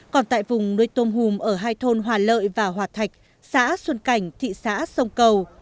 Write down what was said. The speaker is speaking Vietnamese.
còn tại vùng nuôi tôm hùm ở hai thôn hòa lợi và hòa thạch xã xuân cảnh thị xã sông cầu